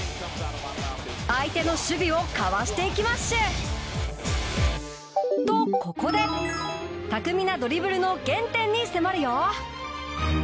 相手の守備をかわしていきまシュ！とここで巧みなドリブルの原点に迫るよ！